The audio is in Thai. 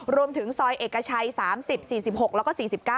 รวมถึงซอยเอกชัย๓๐๔๖แล้วก็๔๙